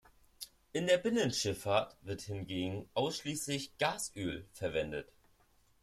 In der Binnenschifffahrt wird hingegen ausschließlich Gasöl verwendet.